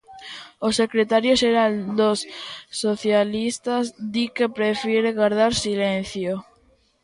O secretario xeral dos Socialistas di que prefire gardar silencio.